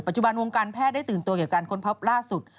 จุบันวงการแพทย์ได้ตื่นตัวเกี่ยวกับการค้นพบล่าสุด